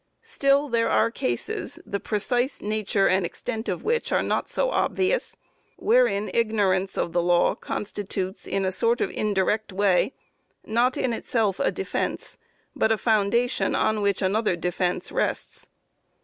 Still there are cases, the precise nature and extent of which are not so obvious, wherein ignorance of the law constitutes, in a sort of indirect way, not in itself a defence, but a foundation on which another defence rests.